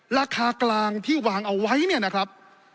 ราคากลางที่วางเอาไว้เนี่ยนะครับ